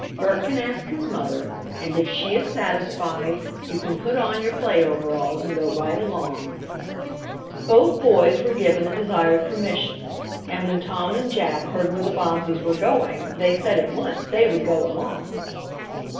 Bert can ask his mother, and if she is satisfied you can put on your play overalls and go right along." Both boys were given the desired permission, and when Tom and Jack heard where the Bobbseys were going they said at once they would go along.